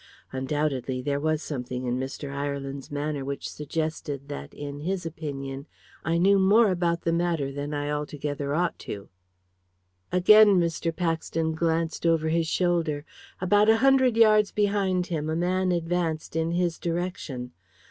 Undoubtedly, there was something in Mr. Ireland's manner which suggested that, in his opinion, I knew more about the matter than I altogether ought to." Again Mr. Paxton glanced over his shoulder. About a hundred yards behind him a man advanced in his direction.